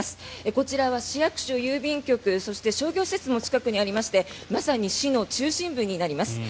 こちらは市役所、郵便局そして商業施設の近くにありましてまさに市の中心部になります。